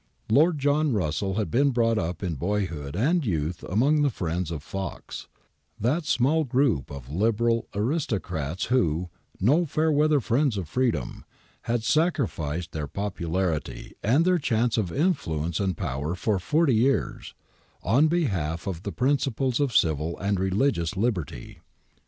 Lord John Russell had been brought up in bo3'hood and 3^outh among the friends of Fox, that small group of Liberal aristocrats who, no fair weather friends of freedom, had sacrificed their popularity and their chance of influence and power for forty years, on behalf of the principles of civil and religious liberty.